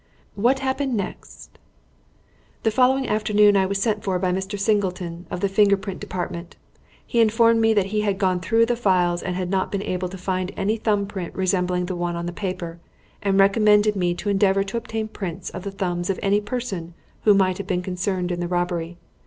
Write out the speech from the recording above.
"What happened next?" "The following afternoon I was sent for by Mr. Singleton, of the Finger print Department. He informed me that he had gone through the files and had not been able to find any thumb print resembling the one on the paper, and recommended me to endeavour to obtain prints of the thumbs of any persons who might have been concerned in the robbery.